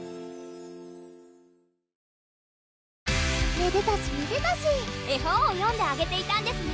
めでたしめでたし絵本を読んであげていたんですね